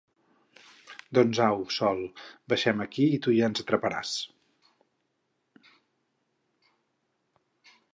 Doncs au, Sol, baixem aquí i tu ja ens atraparàs!